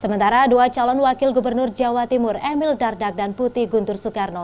sementara dua calon wakil gubernur jawa timur emil dardak dan putih guntur soekarno